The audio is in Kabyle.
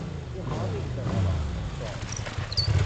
Ruḥeɣ ad k-d-aɣreɣ "Tom".